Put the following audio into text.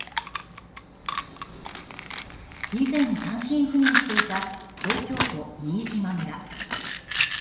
以前、単身赴任していた東京都新島村。